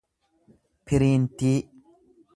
piriintii